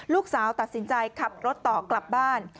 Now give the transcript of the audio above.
ลูกสาวตัดสินใจขับรถต่อกลับบ้าน